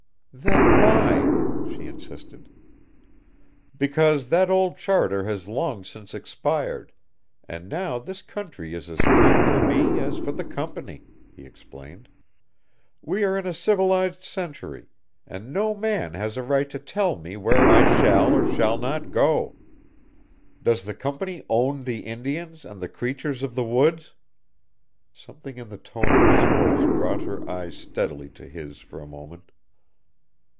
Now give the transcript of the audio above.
"Then why?" she insisted. "Because that old charter has long since expired, and now this country is as free for me as for the Company," he explained. "We are in a civilized century, and no man has a right to tell me where I shall or shall not go. Does the Company own the Indians and the creatures of the woods?" Something in the tone of his voice brought her eyes steadily to his for a moment.